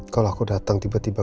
kalau aku datang tiba tiba